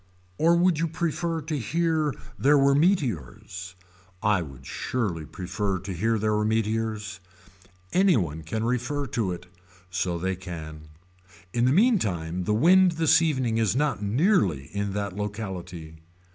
Or would you prefer to hear there were meteors. I would surely prefer to hear there were meteors. Any one can refer to it. So they can. In the meantime the wind this evening is not nearly in that locality.